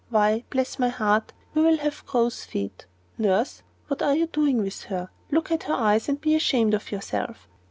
Why, bless my heart, you will have crows' feet! Nurse, what are you doing with her? Look at her eyes, and be ashamed of yourself.